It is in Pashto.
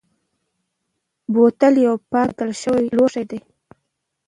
بوتل یو پاک ساتل شوی لوښی وي.